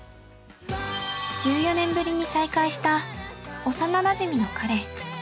◆１４年ぶりに再会した幼なじみの彼。